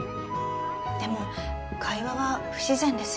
でも会話は不自然ですよね。